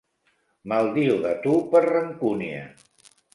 Maldiu de tu per rancúnia.